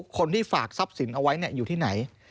คนที่ฝากทรัพย์สินเอาไว้อยู่ที่ไหน